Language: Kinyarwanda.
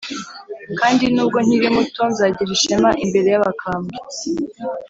kandi n’ubwo nkiri muto, nzagira ishema imbere y’abakambwe.